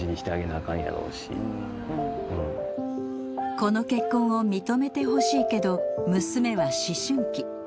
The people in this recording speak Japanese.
この結婚を認めてほしいけど娘は思春期。